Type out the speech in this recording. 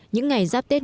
những ngày giáp tên